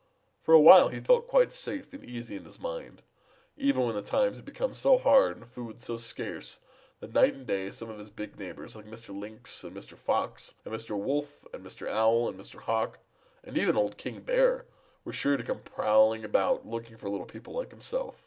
For a while he felt quite safe and easy in his mind, even when the times had become so hard and food so scarce that night and day some of his big neighbors like Mr. Lynx and Mr. Fox and Mr. Wolf and Mr. Owl and Mr. Hawk and even old King Bear were sure to come prowling about looking for little people like himself.